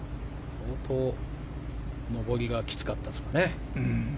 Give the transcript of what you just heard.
相当、上りがきつかったんですね。